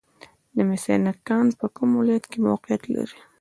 د مس عینک کان په کوم ولایت کې موقعیت لري؟